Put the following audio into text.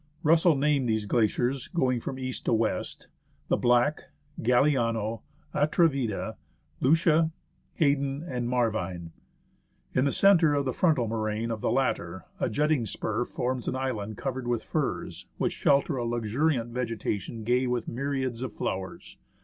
Russell named these glaciers, going from east to west, the " Black," " Galiano," " Atrevida," " Lucia," " Hayden," and " Mar vine." In the centre of the frontal moraine of the latter, a jutting spur forms an island covered with firs, which shelter a luxuriant vegetation gay with myriads of flowers.